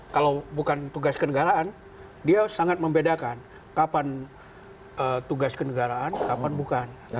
kalau bukan tugas kenegaraan dia sangat membedakan kapan tugas kenegaraan kapan bukan